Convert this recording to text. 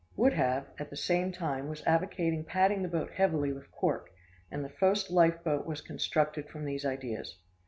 Wouldhave, at the same time was advocating padding the boat heavily with cork: and the first life boat was constructed from these ideas.